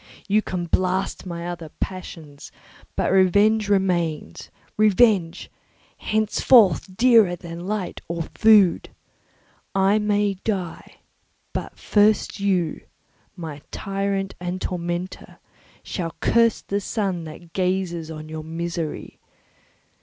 You can blast my other passions, but revenge remains—revenge, henceforth dearer than light or food! I may die, but first you, my tyrant and tormentor, shall curse the sun that gazes on your misery.